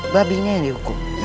babinya yang dihukum